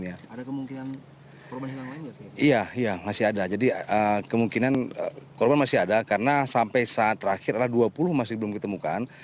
iya ada kemungkinan masih ada jadi kemungkinan korban masih ada karena sampai saat terakhir adalah dua puluh masih belum ditemukan